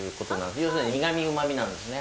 要するに苦み旨味なんですね。